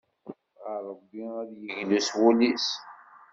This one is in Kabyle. Ɣer Ṛebbi ad yeglu s wul-is.